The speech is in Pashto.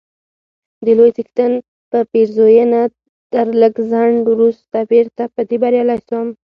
د لوی څښتن په پېرزوینه تر لږ ځنډ وروسته بیرته په دې بریالی سوم،